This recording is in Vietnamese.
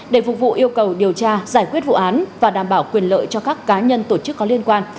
để phục vụ yêu cầu điều tra giải quyết vụ án và đảm bảo quyền lợi cho các cá nhân tổ chức có liên quan